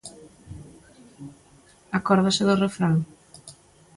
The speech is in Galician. ¿Acórdase do refrán?